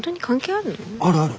あるある。